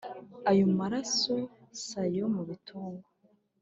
Ayo maraso s'ayo mu bitungwa,